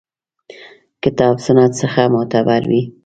کتاب سنت څخه معتبر وي.